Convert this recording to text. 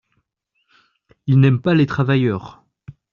Ils n’aiment pas les travailleurs.